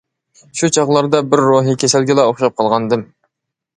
شۇ چاغلاردا بىر روھىي كېسەلگىلا ئوخشاپ قالغانىدىم.